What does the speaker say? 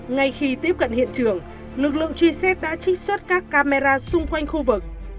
ngay khi tiếp cận hiện trường lực lượng truy xét đã trích xuất các camera xung quanh khu vực